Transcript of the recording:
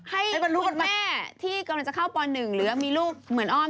ให้คุณแม่ที่กำลังจะเข้าป๑หรือมีลูกเหมือนอ้อม